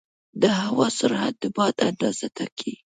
د هوا سرعت د باد اندازه ټاکي.